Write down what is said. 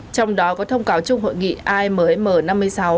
trong đó có thông cáo chung hội nghị amm năm mươi sáu